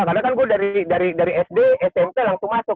karena kan gue dari sd smp langsung masuk